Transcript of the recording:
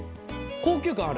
高級感ある。